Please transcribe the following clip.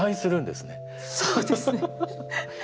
そうですね。